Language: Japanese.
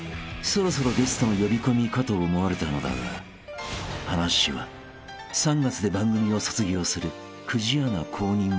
［そろそろゲストの呼び込みかと思われたのだが話は３月で番組を卒業する久慈アナ後任話へ］